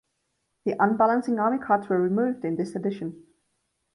The unbalancing army cards were removed in this edition.